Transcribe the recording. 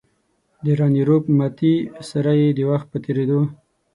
د راني روپ متي سره یې وخت تېرېدو.